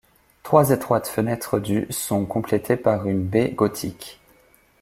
Trois étroites fenêtres du sont complétées par une baie gothique.